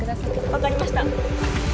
分かりました。